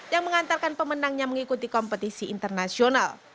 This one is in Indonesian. yang mengantarkan pemenangnya mengikuti kompetisi internasional